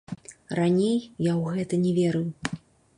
Раней я ў гэта не верыў.